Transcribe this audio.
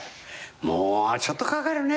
「もうちょっとかかるね。